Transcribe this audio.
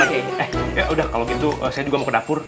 eh ya udah kalau gitu saya juga mau ke dapur